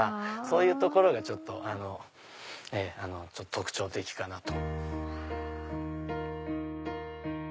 そういうところが特徴的かなと。